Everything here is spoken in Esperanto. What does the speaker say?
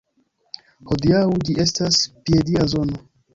Hodiaŭ ĝi estas piedira zono.